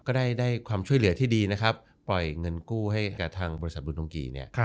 ก็ได้ความช่วยเหลือที่ดีนะครับปล่อยเงินกู้ให้กับทางบริษัทบุญดงกีเนี่ย